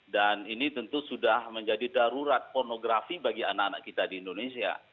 dan ini tentu sudah menjadi darurat pornografi bagi anak anak kita di indonesia